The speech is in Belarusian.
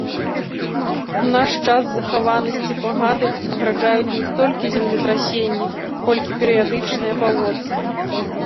У наш час захаванасці пагады пагражаюць не столькі землетрасенні, колькі перыядычныя паводкі.